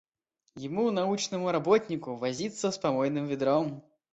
Ему научному работнику, возиться с помойным ведром!